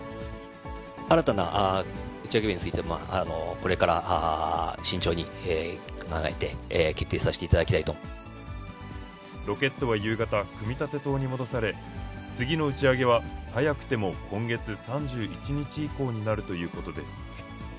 新たな打ち上げ日については、これから慎重に考えて、ロケットは夕方、組み立て棟に戻され、次の打ち上げは、早くても今月３１日以降になるということです。